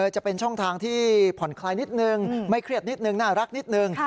จะเป็นช่องทางที่ผ่อนคลายนิดนึงไม่เครียดนิดนึงน่ารักนิดนึง